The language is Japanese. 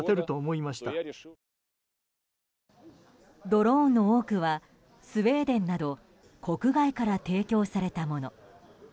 ドローンの多くはスウェーデンなど国外から提供されたもの。